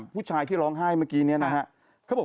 ผู้ชายที่ร้องไห้เมื่อกี้เนี่ยนะ